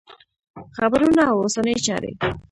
خبرونه او اوسنۍ چارې